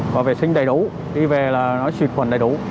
và vệ sinh đầy đủ đi về là nó xuyệt khuẩn đầy đủ